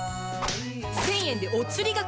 １０００円でお釣りがくるのよ！